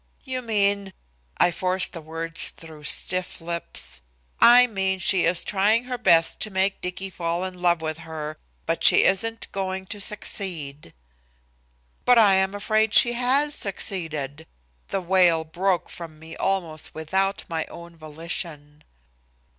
"You mean " I forced the words through stiff lips. "I mean she is trying her best to make Dicky fall in love with her, but she isn't going to succeed." "But I am afraid she has succeeded!" The wail broke from me almost without my own volition.